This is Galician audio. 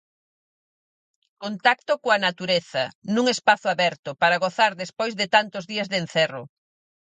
Contacto coa natureza, nun espazo aberto, para gozar despois de tantos días de encerro.